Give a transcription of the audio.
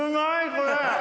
これ！